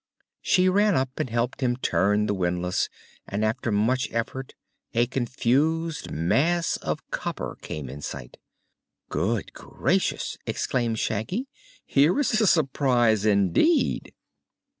She ran up and helped him turn the windlass and after much effort a confused mass of copper came in sight. "Good gracious!" exclaimed Shaggy. "Here is a surprise, indeed!"